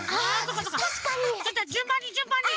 ちょっとじゅんばんにじゅんばんに！